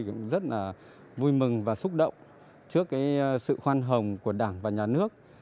cũng rất là vui mừng và xúc động trước sự khoan hồng của đảng và nhà nước